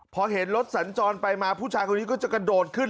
พอเห็นรถสัญจรไปมาผู้ชายคนนี้ก็จะกระโดดขึ้น